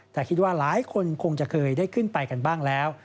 แต่คิดว่าหลายคนคงจะเคยได้ขึ้นไปกันบ้างแล้ว